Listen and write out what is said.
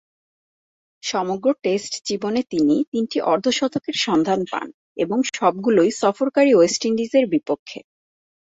সমগ্র টেস্ট জীবনে তিনি তিনটি অর্ধ-শতকের সন্ধান পান এবং সবগুলোই সফরকারী ওয়েস্ট ইন্ডিজের বিপক্ষে।